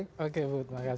oke terima kasih